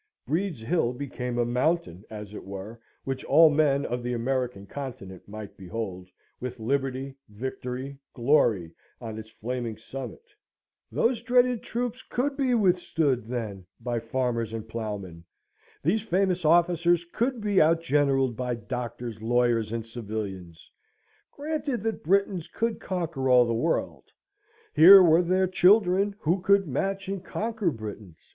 Breed's Hill became a mountain, as it were, which all men of the American Continent might behold, with Liberty, Victory, Glory, on its flaming summit. These dreaded troops could be withstood, then, by farmers and ploughmen. These famous officers could be outgeneralled by doctors, lawyers, and civilians! Granted that Britons could conquer all the world; here were their children who could match and conquer Britons!